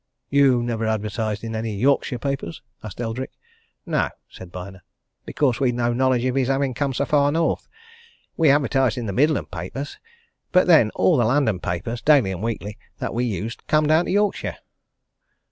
"You never advertised in any Yorkshire newspapers?" asked Eldrick. "No," said Byner. "Because we'd no knowledge of his having come so far North. We advertised in the Midland papers. But then, all the London papers, daily and weekly, that we used come down to Yorkshire."